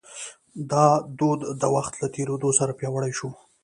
دا دود د وخت له تېرېدو سره پیاوړی شو.